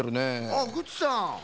あっグッチさん。